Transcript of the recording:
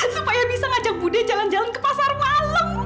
supaya bisa ngajak budi jalan jalan ke pasar malam